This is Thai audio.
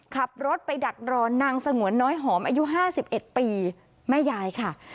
ขับรถไปดักรอนนางสงวนน้อยหอมอายุห้าสิบเอ็ดปีแม่ยายค่ะ